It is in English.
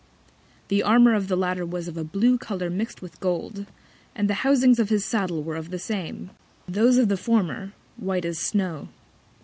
The Armour of the latter was of a blue Colour mixt with Gold, and the Housings of his Saddle were of the same. Those of the former white as Snow.